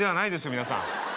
皆さん。